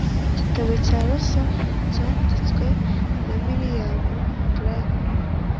"igitabo cya los" cyanditswe na william blake